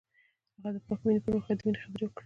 هغه د پاک مینه پر مهال د مینې خبرې وکړې.